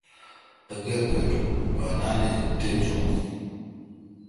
اگر کٹو بانال ایج تِل جون۔